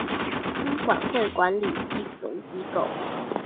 金管會管理金融機構